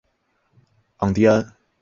昂蒂安。